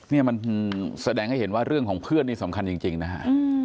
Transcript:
นี่มันแสดงให้เห็นว่าเรื่องของเพื่อนนี่สำคัญจริงนะฮะ